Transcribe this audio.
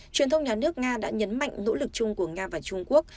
truyền thông nhà nước nga đã nhấn mạnh nỗ lực chung của nga và trung quốc